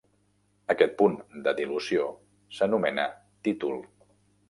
Aquest punt de dilució s'anomena títol.